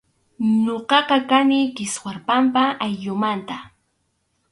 Ñuqaqa kani Kiswarpampa ayllumanta.